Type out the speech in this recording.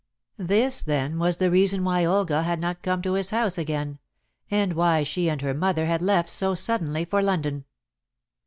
This, then, was the reason why Olga had not come to his house again, and why she and her mother had left so suddenly for London.